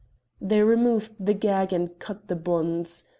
They removed the gag and cut the bonds.